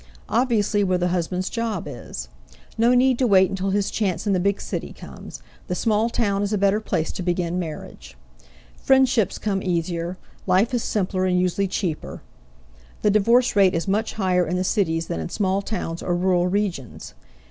Obviously where the husband's job is. No need to wait until his chance in the big city comes; the small town is a better place to begin marriage. Friendships come easier, life is simpler and usually cheaper. The divorce rate is much higher in the cities than in small towns or rural regions.